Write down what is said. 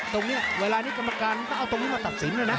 ตรงนี้เวลานี้กรรมการต้องเอาตรงนี้มาตัดสินด้วยนะ